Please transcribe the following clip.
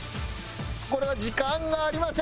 これは時間がありません。